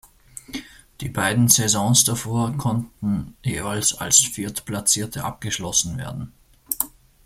Die beiden Saisons davor konnten jeweils als Viertplatzierte abgeschlossen werden.